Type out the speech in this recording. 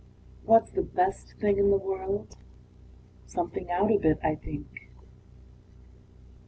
What's the best thing in the world? Something out of it, I think.